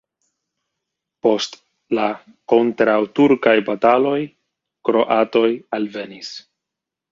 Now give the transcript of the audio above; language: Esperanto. Post la kontraŭturkaj bataloj kroatoj alvenis.